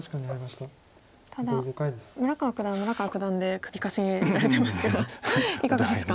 ただ村川九段は村川九段で首かしげられてますがいかがですか？